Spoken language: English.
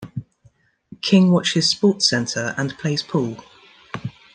King, watches SportsCentre, and plays pool.